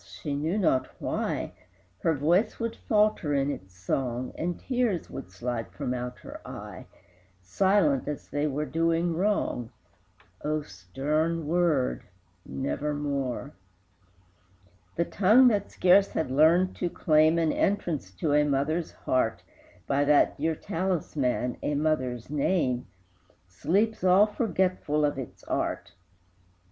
she knew not why, Her voice would falter in its song, And tears would slide from out her eye, Silent, as they were doing wrong. O stern word Nevermore! The tongue that scarce had learned to claim An entrance to a mother's heart By that dear talisman, a mother's name, Sleeps all forgetful of its art!